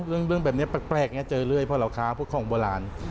เรื่องแบบนี้แปลกเจอเรื่อยเพราะเราค้าพวกของโบราณ